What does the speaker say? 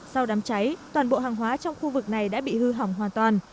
sau đám cháy toàn bộ hàng hóa trong khu vực này đã bị hư hỏng hoàn toàn